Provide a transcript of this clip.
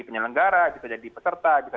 penyelenggara bisa jadi peserta bisa